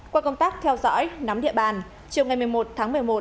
qua công tác theo dõi nắm địa bàn chiều ngày một mươi một tháng một mươi một